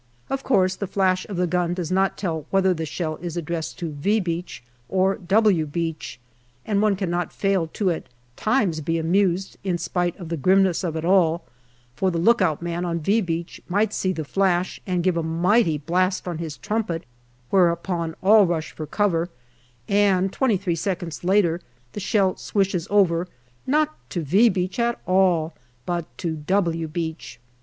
Of course, the flash of the gun does not tell whether the shell is addressed to " V " Beach or " W " Beach, and one cannot fail to at times be amused, in spite of the grimness of it all, for the lookout man on " V " Beach might see the flash and give a mighty blast on his trumpet, whereupon all rush for cover, and twenty three seconds later the shell swishes over, not to " V " Beach at all, but to " W " Beach.